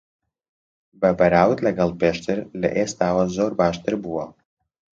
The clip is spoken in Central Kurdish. بە بەراورد لەگەڵ پێشتر، لە ئێستاوە زۆر باشتر بووە.